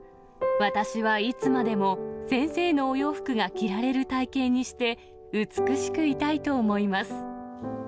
私はいつまでも、先生のお洋服が着られる体型にして、美しくいたいと思います。